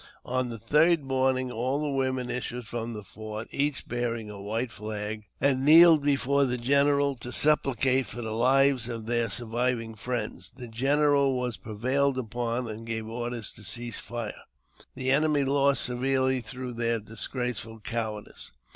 On the third morning all the women issued from the fort, each bearing a white flag, and kneeled before the general to sup plicate for the lives of their surviving friends. The general was prevailed upon, and gave orders to cease firing. The enemy lost severely through their disgraceful cowardice.